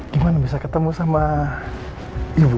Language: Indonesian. gimana bisa ketemu sama ibu